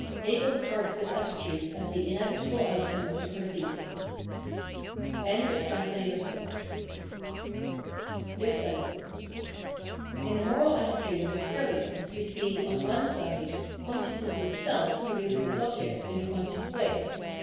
Hegel regards this attitude as the inevitable outcome of the preceding.] Dissemblance * In the moral attitude of experience we see, on one side, consciousness itself produce its object in a con scious way.